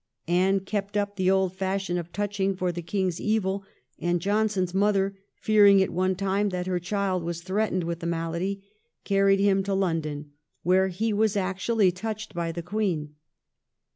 Anne kept up the old fashion of touching for the king's evil, and Johnson's mother, fearing at one time that her child was threatened with the malady, carried him to London, where he was actually touched by the Queen.